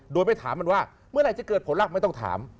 โดยไปถามมันว่าเมื่อไหร่จะเกิดผลลักษ์ไม่ต้องถาม